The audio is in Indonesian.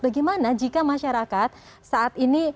bagaimana jika masyarakat saat ini